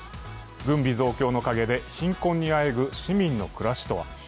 軍備増強の陰で貧困にあえぐ市民の暮らしとは。